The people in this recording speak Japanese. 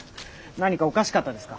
何かおかしかったですか？